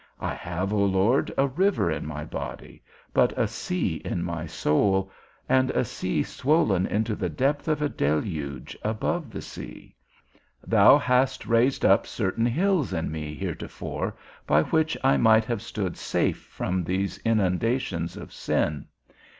I have, O Lord, a river in my body, but a sea in my soul, and a sea swollen into the depth of a deluge, above the sea. Thou hast raised up certain hills in me heretofore, by which I might have stood safe from these inundations of sin.